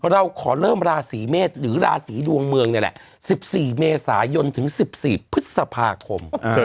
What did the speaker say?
เราขอเริ่มราศีเมษหรือราศีดวงเมืองนี่แหละ๑๔เมษายนถึง๑๔พฤษภาคม